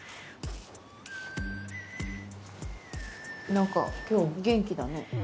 何か今日元気だね。